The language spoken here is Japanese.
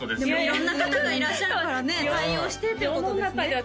色んな方がいらっしゃるからね対応してということですね